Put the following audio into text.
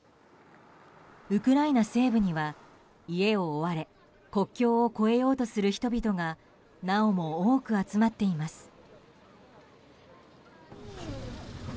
ウクライナ西部には、家を追われ国境を越えようとする人々がなおも多く集まっています。